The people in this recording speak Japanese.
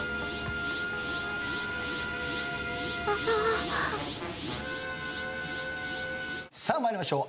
「ああ」さあ参りましょう。